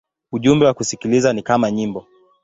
Ujumbe wa kusikiliza ni kama nyimbo.